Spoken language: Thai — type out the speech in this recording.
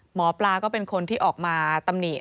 หมอปลาก็เป็นคนที่ออกมาตำหนิ